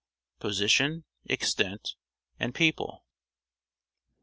Position, Extent, and People.